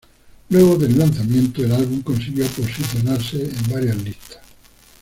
Luego del lanzamiento, el álbum consiguió posicionarse en varias listas.